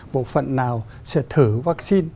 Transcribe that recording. bộ phận nào sẽ thử vaccine